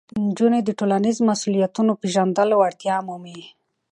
نجونې د ټولنیزو مسؤلیتونو د پېژندلو وړتیا مومي.